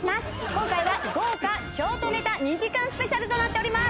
今回は豪華ショートネタ２時間スペシャルとなっております。